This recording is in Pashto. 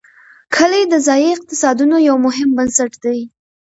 کلي د ځایي اقتصادونو یو مهم بنسټ دی.